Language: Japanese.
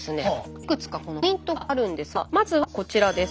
いくつかこのポイントがあるんですがまずはこちらです。